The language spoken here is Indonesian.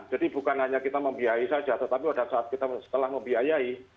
jadi bukan hanya kita membiayai saja tetapi pada saat kita telah membiayai